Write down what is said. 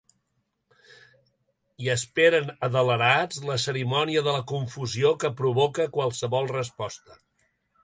I esperen, adelerats, la cerimònia de la confusió que provoca qualsevol resposta.